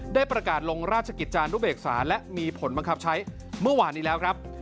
ได้ประกาศลงราชกิจจานุเบกษาและมีผลบังคับใช้เมื่อวานนี้แล้วครับ